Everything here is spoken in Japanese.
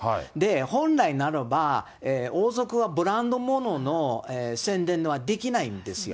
本来ならば、王族はブランド物の宣伝はできないんですよ。